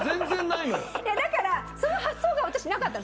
いやだからそういう発想が私なかったの。